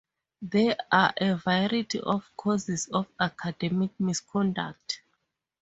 There are a variety of causes of academic misconduct.